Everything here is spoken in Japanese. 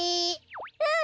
うん！